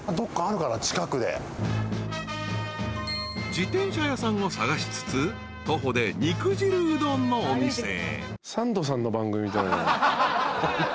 ［自転車屋さんを探しつつ徒歩で肉汁うどんのお店へ］